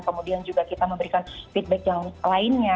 kemudian juga kita memberikan feedback yang lainnya